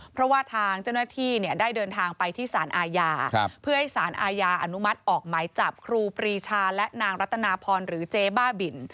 เพราะว่าทางเจ้าหน้าที่เนี่ยได้เดินทางไปที่สารอาญาเพื่อให้สารอาญาอนุมัติออกหมายจับครูปรีชาและนางรัตนาพรหรือเจ๊บ้าบิน